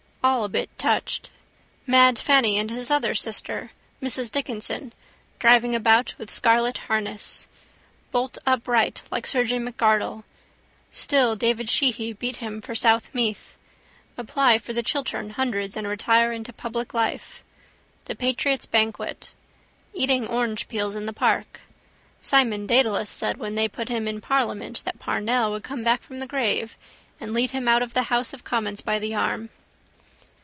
All a bit touched. Mad Fanny and his other sister Mrs Dickinson driving about with scarlet harness. Bolt upright like surgeon M'Ardle. Still David Sheehy beat him for south Meath. Apply for the Chiltern Hundreds and retire into public life. The patriot's banquet. Eating orangepeels in the park. Simon Dedalus said when they put him in parliament that Parnell would come back from the grave and lead him out of the house of commons by the arm.